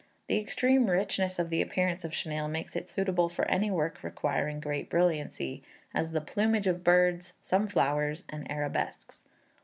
The extreme richness of the appearance of chenille makes it suitable for any work requiring great brilliancy; as the plumage of birds, some flowers, and arabesques.